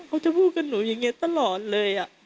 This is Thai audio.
เขาจะพูดกับหนูอย่างนี้ตลอดเลย